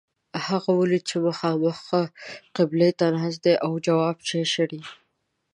هغه ولید چې مخامخ قبلې ته ناست دی او جواب چای شړي.